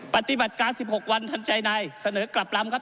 ปฏิบัติการ๑๖วันทันใจในเสนอกลับลำครับ